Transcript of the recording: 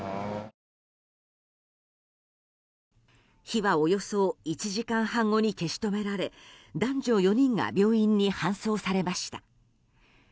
火はおよそ１時間半後に消し止められ男女４人が病院に搬送されました。